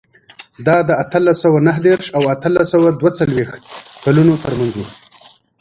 دا د اتلس سوه نهه دېرش او اتلس سوه دوه څلوېښت کلونو ترمنځ و.